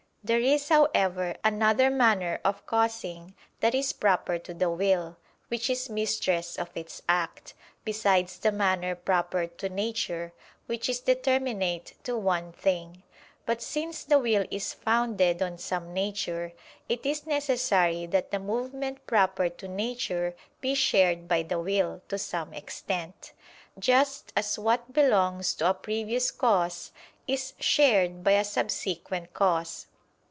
There is, however, another manner of causing that is proper to the will, which is mistress of its act, besides the manner proper to nature, which is determinate to one thing. But since the will is founded on some nature, it is necessary that the movement proper to nature be shared by the will, to some extent: just as what belongs to a previous cause is shared by a subsequent cause.